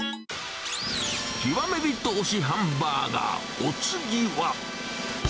極め人推しハンバーガー、お次は。